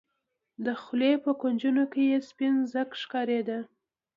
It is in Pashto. د خولې په کونجونو کښې يې سپين ځګ ښکارېده.